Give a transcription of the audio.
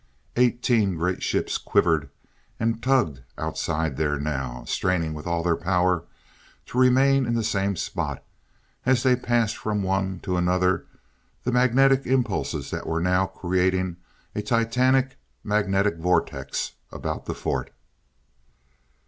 Eighteen great ships quivered and tugged outside there now, straining with all their power to remain in the same spot, as they passed on from one to another the magnetic impulses that were now creating a titanic magnetic vortex about the fort.